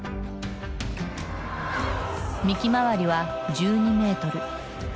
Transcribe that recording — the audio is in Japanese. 幹周りは１２メートル。